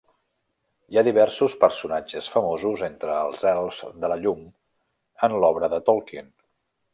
Hi ha diversos personatges famosos entre els elfs de la llum en l'obra de Tolkien.